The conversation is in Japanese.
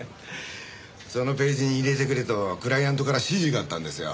そのページに入れてくれとクライアントから指示があったんですよ。